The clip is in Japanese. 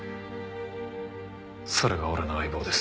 それが俺の相棒です。